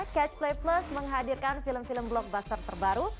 catch play plus menghadirkan film film blockbuster terbaru